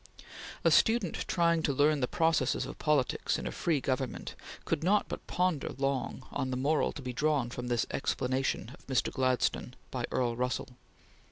A student trying to learn the processes of politics in a free government could not but ponder long on the moral to be drawn from this "explanation" of Mr. Gladstone by Earl Russell.